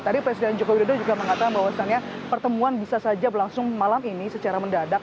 tadi presiden joko widodo juga mengatakan bahwasannya pertemuan bisa saja berlangsung malam ini secara mendadak